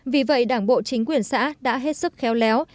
vì vậy đảng bộ chính quyền xã đã hết sức khéo léo